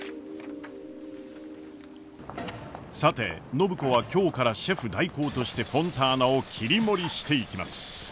さて暢子は今日からシェフ代行としてフォンターナを切り盛りしていきます。